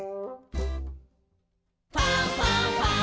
「ファンファンファン」